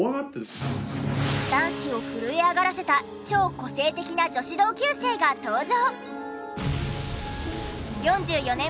男子を震え上がらせた超個性的な女子同級生が登場。